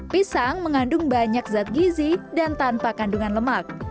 pisang mengandung banyak zat gizi dan tanpa kandungan lemak